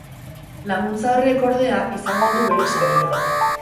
Laguntza horrek, ordea, izango du bere saria.